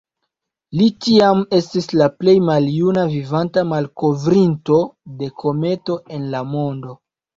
Li tiam estis la plej maljuna vivanta malkovrinto de kometo en la mondo.